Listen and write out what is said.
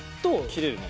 切れるね！